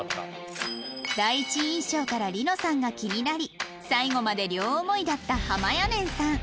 第一印象から璃乃さんが気になり最後まで両思いだったはまやねんさん